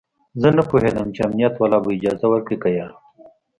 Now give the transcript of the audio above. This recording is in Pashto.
زه نه پوهېدم چې امنيت والا به اجازه ورکړي که يه.